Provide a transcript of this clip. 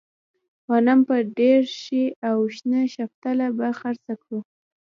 غنم به ډېر شي او شنه شفتله به خرڅه کړو.